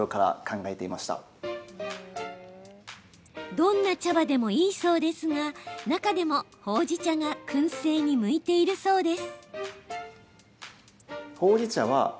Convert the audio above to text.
どんな茶葉でもいいそうですが中でも、ほうじ茶がくん製に向いているそうです。